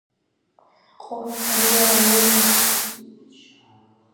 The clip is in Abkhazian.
Ҟоҳ, ари уара уоума?